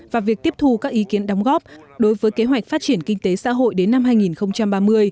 và việc tiếp thu các ý kiến đóng góp đối với kế hoạch phát triển kinh tế xã hội đến năm hai nghìn ba mươi